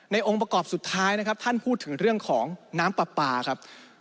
องค์ประกอบสุดท้ายนะครับท่านพูดถึงเรื่องของน้ำปลาปลาครับ